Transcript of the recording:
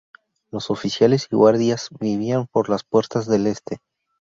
Los oficiales y guardias vivían por las puertas del este.